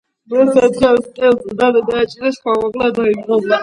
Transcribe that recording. როცა თხას ყელზე დანა დააჭირეს, ხმამაღლა დაიბღავლა.